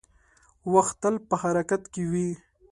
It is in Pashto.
• وخت تل په حرکت کې وي.